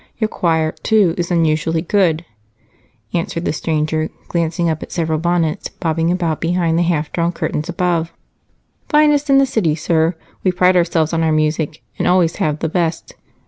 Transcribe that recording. Your choir, too, is unusually good," answered the stranger, glancing up at several bonnets bobbing about behind the half drawn curtains above. "Finest in the city, sir. We pride ourselves on our music, and always have the best.